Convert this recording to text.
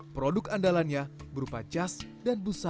produk andalannya berupa cas dan bengkel